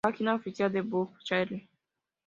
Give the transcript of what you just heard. Página oficial de Buckcherry